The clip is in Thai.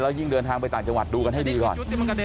ยิ่งเดินทางไปต่างจังหวัดดูกันให้ดีก่อน